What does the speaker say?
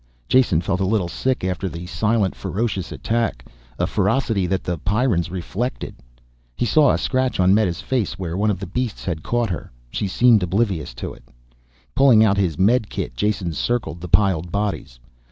Jason felt a little sick after the silent ferocious attack. A ferocity that the Pyrrans reflected. He saw a scratch on Meta's face where one of the beasts had caught her. She seemed oblivious to it. Pulling out his medikit, Jason circled the piled bodies.